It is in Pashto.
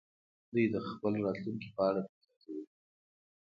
دوی د خپلې راتلونکې په اړه فکر کوي.